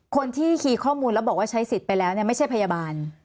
คนที่คีย์ข้อมูลแล้วบอกว่าใช้สิทธิ์ไปแล้วไม่ใช่พยาบาล